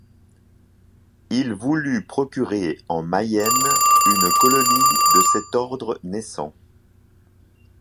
Il voulut procurer en Mayenne une colonie de cet ordre naissant.